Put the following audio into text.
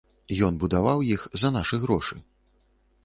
Ён будаваў іх за нашы грошы.